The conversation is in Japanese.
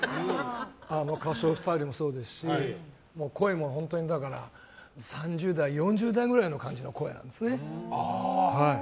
あの歌唱スタイルもそうですし声も３０代、４０代ぐらいの感じの声なんですね。